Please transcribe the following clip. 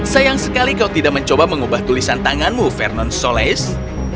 sayang sekali kau tidak mencoba mengubah tulisan tanganmu fernan solace